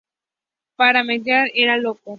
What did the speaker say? Para Metternich era un loco.